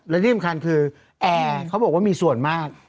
และที่สำคัญคือแอร์เขาบอกว่ามีส่วนมาก